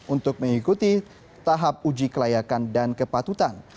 untuk mengikuti tahap uji kelayakan dan kepatutan